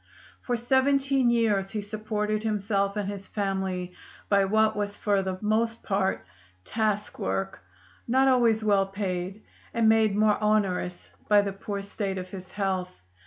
For seventeen years he supported himself and his family by what was for the most part task work, not always well paid, and made more onerous by the poor state of his health.